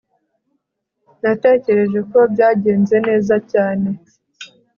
Natekereje ko byagenze neza cyane